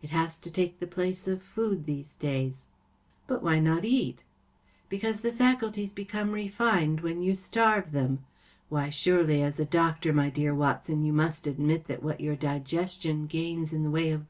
It has to take the place of food these days.‚ÄĚ 44 But why not eat ? ‚ÄĚ 44 Because the faculties become refined when you starve them. Why, surely, as a doctor, my dear Watson, you must admit that what your digestion gains in the way of blood supply is so much lost to the brain.